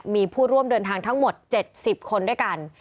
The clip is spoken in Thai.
มีผู้ร่วมเดินทางทั้งหมด๗๐คนด้วยกัน